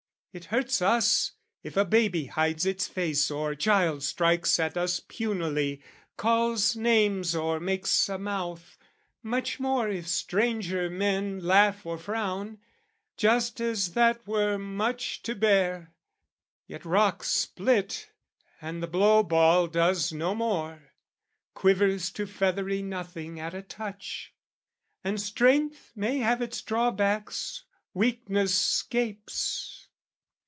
"It hurts us if a baby hides its face "Or child strikes at us punily, calls names "Or makes a mouth, much more if stranger men "Laugh or frown, just as that were much to bear! "Yet rocks split, and the blow ball does no more, "Quivers to feathery nothing at a touch; "And strength may have its drawback, weakness scapes."